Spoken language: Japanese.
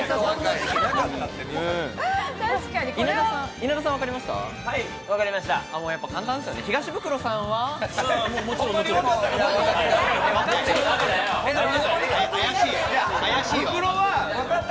稲田さん、分かりました？